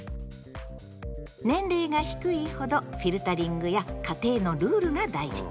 年齢が低いほどフィルタリングや家庭のルールが大事。